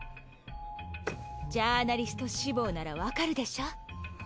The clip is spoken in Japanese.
ジャーナリスト志望ならわかるでしょ？